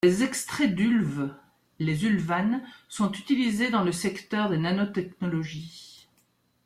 Des extraits d'ulve, les ulvanes, sont utilisés dans le secteur des nanotechnologies.